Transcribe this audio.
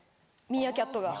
ミーアキャットが。